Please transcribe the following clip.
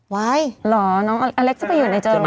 ว๊ายค์หรอน้องอาเลคจะไปอยู่ในเจอเหรอ